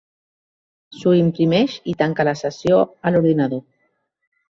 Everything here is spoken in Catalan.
S'ho imprimeix i tanca la sessió a l'ordinador.